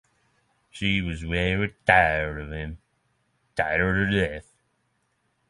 She was very tired of him — tired to death.